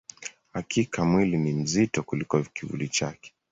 Hakika, mwili ni mzito kuliko kivuli chake.